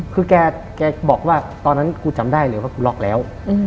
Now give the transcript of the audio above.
คือแกบอกว่าตอนนั้นกูจำได้เลยว่ากูล็อกแล้ว